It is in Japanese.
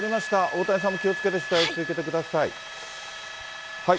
大谷さんも気をつけて取材を続けてください。